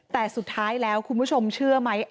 แต่สุดท้ายแล้วคุณผู้ชมเชื่อไหม